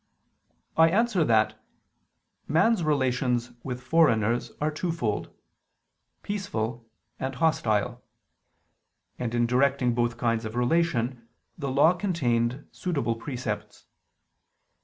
I answer that, Man's relations with foreigners are twofold: peaceful, and hostile: and in directing both kinds of relation the Law contained suitable precepts.